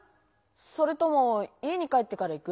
それとも家に帰ってから行く？